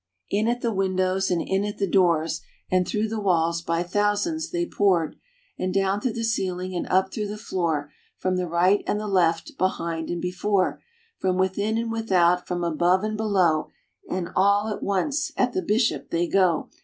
" In at the windows and in at the doors, And through the walls by thousands they poured, And down through the ceiling and up through the floor, From the right and the left, behind and before, From within and without, from above and below, And all at once at the bishop they go.